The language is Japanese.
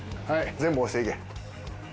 全部押していけ。